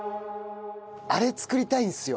あれ作りたいんですよ。